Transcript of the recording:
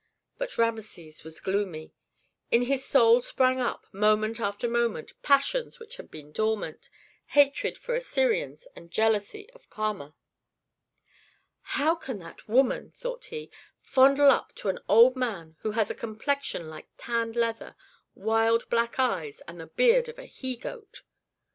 But Rameses was gloomy. In his soul sprang up, moment after moment, passions which had been dormant, hatred for Assyrians and jealousy of Kama. "How can that woman," thought he, "fondle up to an old man who has a complexion like tanned leather, wild black eyes, and the beard of a he goat?"